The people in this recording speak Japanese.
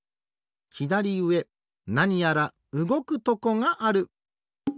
ひだりうえなにやらうごくとこがある。